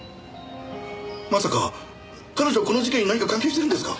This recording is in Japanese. まさか彼女この事件に何か関係しているんですか？